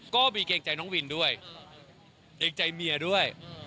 เกรงใจน้องวินด้วยเกรงใจเมียด้วย